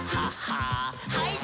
はい。